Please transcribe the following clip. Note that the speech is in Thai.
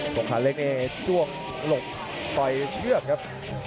ตรงขาเล็กนี้จ้วงหลงไปเชื่อมครับ